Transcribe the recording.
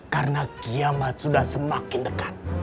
karena kiamat sudah semakin dekat